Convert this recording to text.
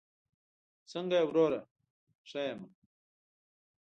څنګه یې وروره؟ ښه یمه